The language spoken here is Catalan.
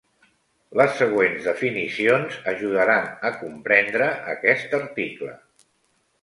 Les següents definicions ajudaran a comprendre aquest article.